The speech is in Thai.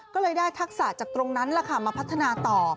ก็เลยได้ทักษะจากตรงนั้นมาพัฒนาต่อ